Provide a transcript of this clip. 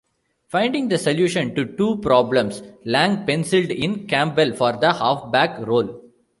Finding the solution to two problems Lang pencilled in Campbell for the halfback role.